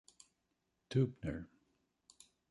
Teubner.